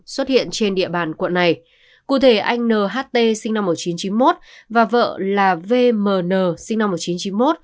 xuất hiện trên địa bàn quận này cụ thể anh nht sinh năm một nghìn chín trăm chín mươi một và vợ là vmn sinh năm một nghìn chín trăm chín mươi một